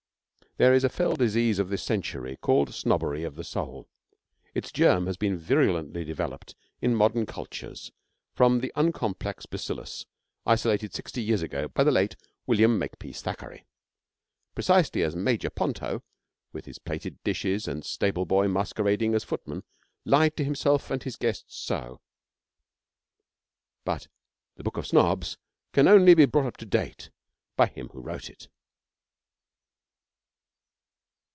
There is a fell disease of this century called 'snobbery of the soul.' Its germ has been virulently developed in modern cultures from the uncomplex bacillus isolated sixty years ago by the late William Makepeace Thackeray. Precisely as Major Ponto, with his plated dishes and stable boy masquerading as footman, lied to himself and his guests so but the Book of Snobs can only be brought up to date by him who wrote it.